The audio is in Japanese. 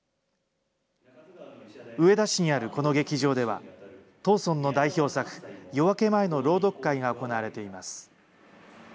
上田市にあるこの劇場では、藤村の代表作、夜明け前の朗読会が行われています。